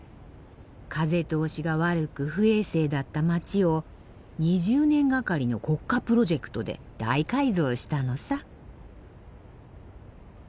風通しが悪く不衛生だった街を２０年がかりの国家プロジェクトで大改造したのさ。